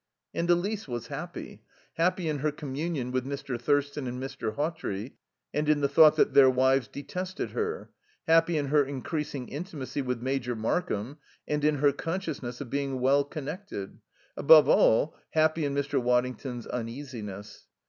And Elise was happy, happy in her communion with Mr. Thurston and Mr. Hawtrey and in the thought that their wives detested her; happy in her increasing intimacy with Major Markham and in her consciousness of being well connected; above all, happy in Mr. Waddington's uneasiness.